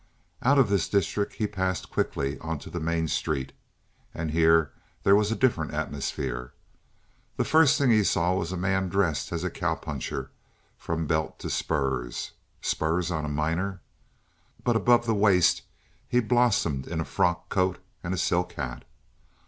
Out of this district he passed quickly onto the main street, and here there was a different atmosphere. The first thing he saw was a man dressed as a cowpuncher from belt to spurs spurs on a miner but above the waist he blossomed in a frock coat and a silk hat.